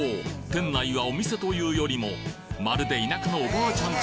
店内はお店というよりもまるで田舎のおばあちゃん